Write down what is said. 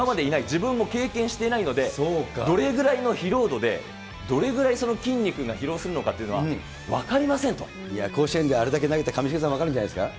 自分も経験していないのでどれぐらいの疲労度で、どれぐらい筋肉が披露するのかというのは分かりいや、甲子園であれだけ投げた上重さん、分かるんじゃないですか。